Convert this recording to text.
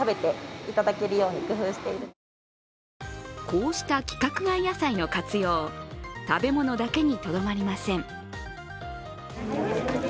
こうした規格外野菜の活用、食べ物だけにとどまりません。